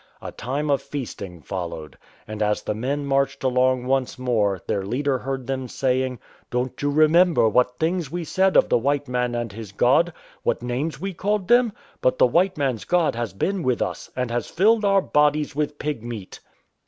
A time of feasting followed. And as the men marched along once more, their leader heard them saying :" Don't you remember what things we said of the white man and his God ? What names we called them ! But the white man's God has been with us, and has filled our bodies with pig meat."